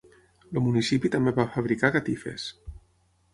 El municipi també va fabricar catifes.